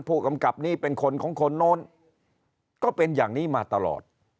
ผู้กำกับนี้เป็นคนของคนโน้นก็เป็นอย่างนี้มาตลอด